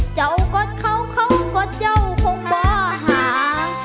เจ้ากดเข้าเข้ากดเจ้าคงบ่อห่าง